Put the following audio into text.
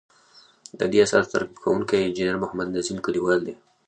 ددې اثر ترتیب کوونکی انجنیر محمد نظیم کلیوال دی.